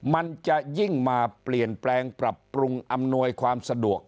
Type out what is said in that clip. มันจะยิ่งมาเปลี่ยนแปลงปรับปรุงอำนวยความสะดวก